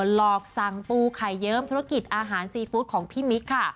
หลอกสั่งปูไข่เยิ้มธุรกิจอาหารซีฟู้ดของพี่มิ๊กค่ะ